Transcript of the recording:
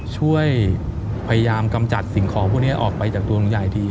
ช่วยพยายามกำจัดสิ่งของพวกนี้ออกไปจากตัวลุงใหญ่ที